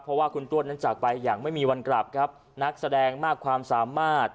เพราะว่าคุณต้วนนั้นจากไปอย่างไม่มีวันกลับครับนักแสดงมากความสามารถ